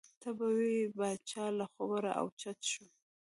تا به وې پاچا له خوبه را او چت شو.